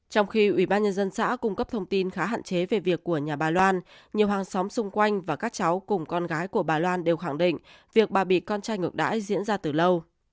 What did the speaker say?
trong khi ủy ban nhân dân xã cung cấp thông tin khá hạn chế về việc của nhà bà loan nhiều hàng xóm xung quanh và các cháu cùng con gái của bà loan đều khẳng định việc bà bị con trai ngược đãi diễn ra từ lâu